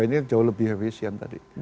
ini jauh lebih efisien tadi